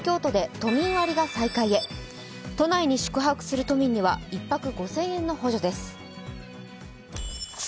都内に宿泊する都民には１泊５０００円の補助です。